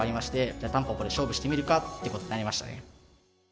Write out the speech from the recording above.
じゃあたんぽぽで勝負してみるかってことになりましたね。